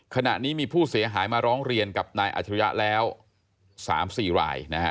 ขณะนี้มีผู้เสียหายมาร้องเรียนกับนายอัจฉริยะแล้ว๓๔ราย